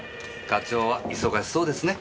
課長は忙しそうですね。